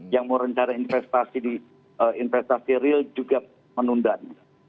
yang merencana investasi real juga menundannya